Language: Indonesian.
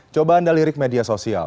coba anda lirik media sosial